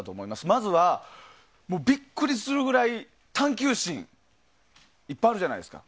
まずは、ビックリするくらい探求心いっぱいあるじゃないですか。